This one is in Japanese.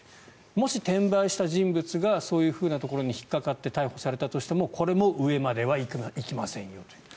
もし転売した人物がそういうところに引っかかって逮捕されたとしてもこれも上まではいきませんよという。